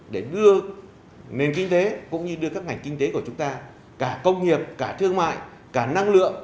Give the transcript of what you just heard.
để đưa nền kinh tế cũng như đưa các ngành kinh tế của chúng ta cả công nghiệp cả thương mại cả năng lượng